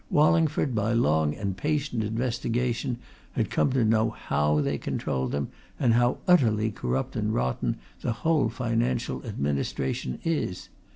Wallingford, by long and patient investigation, had come to know how they controlled them, and how utterly corrupt and rotten the whole financial administration is.